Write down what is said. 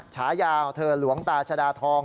ฉายาวเธอหลวงตาชดาทอง